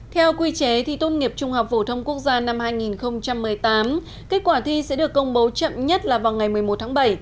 theo quy chế thi tốt nghiệp trung học phổ thông quốc gia năm hai nghìn một mươi tám kết quả thi sẽ được công bố chậm nhất là vào ngày một mươi một tháng bảy